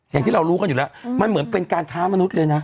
อย่างที่เรารู้กันอยู่แล้วมันเหมือนเป็นการค้ามนุษย์เลยนะ